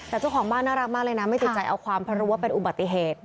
แต่เจ้าของบ้านน่ารักมากเลยนะไม่ติดใจเอาความเพราะรู้ว่าเป็นอุบัติเหตุ